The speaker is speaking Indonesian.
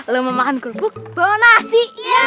lo mau makan kerupuk bawa nasi